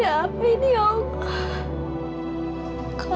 ya apa ini ya allah